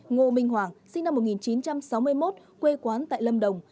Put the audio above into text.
ngô minh hoàng sinh năm một nghìn chín trăm sáu mươi một quê quán tại lâm đồng